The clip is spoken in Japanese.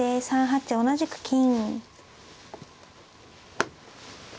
３八同じく金。